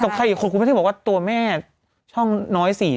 ต่อไปผมไม่ได้บอกว่าตัวแม่ช่องน้อยสิ